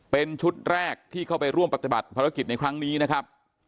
เป็นชุดแรกที่เข้าไปร่วมปฏิบัติภารกิจในครั้งนี้นะครับ